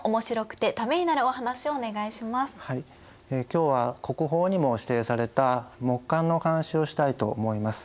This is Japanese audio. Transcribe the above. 今日は国宝にも指定された木簡のお話をしたいと思います。